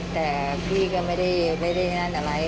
แต่พี่ก็ไม่ได้นั่นอะไร